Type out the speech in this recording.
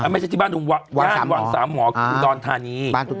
ไม่ใช่ที่บ้านย่านวังสามหมออุดรธานี